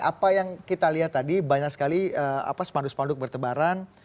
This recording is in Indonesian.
apa yang kita lihat tadi banyak sekali spanduk spanduk bertebaran